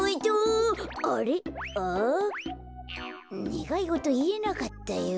ねがいごといえなかったよ。